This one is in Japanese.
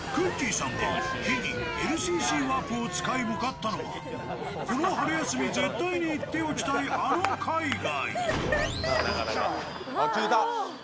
さんが秘技ＬＣＣワープを使い行ったのがこの春休み絶対に行っておきたいあの海外。